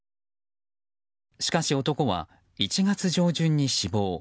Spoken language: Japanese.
しかし、男は１月上旬に死亡。